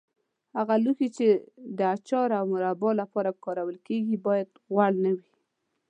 هغه لوښي چې د اچار او مربا لپاره کارول کېږي باید غوړ نه وي.